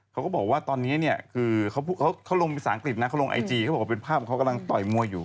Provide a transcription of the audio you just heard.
เขาก็บอกว่าตอนนี้เนี่ยคือเขาลงภาษาอังกฤษนะเขาลงไอจีเขาบอกว่าเป็นภาพเขากำลังต่อยมวยอยู่